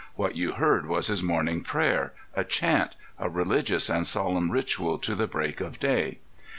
What you heard was his morning prayer, a chant, a religious and solemn ritual to the break of day.